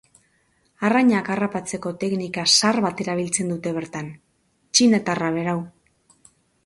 Arrainak harrapatzeko teknika zahar bat erabiltzen dute bertan, txinatarra berau.